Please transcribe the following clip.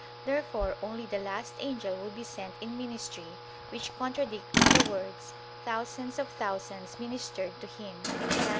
Therefore only the last angel would be sent in ministry; which contradicts the words, "Thousands of thousands ministered to Him" (Dan.